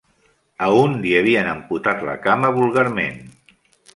A un li havien amputat la cama vulgarment.